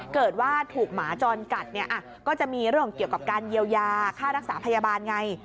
เกิดว่าถูกหมาจรกัดเนี่ยก็จะมีเรื่องเกี่ยวกับการเยียวยาค่ารักษาพยาบาลไง